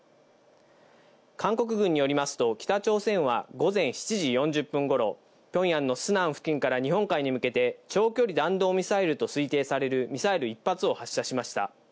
韓国軍によりますと北朝鮮は午前７時４０分頃、ピョンヤンのスナン付近から日本海に向けて長距離弾道ミサイルと推定されるミサイル１発を発射しました。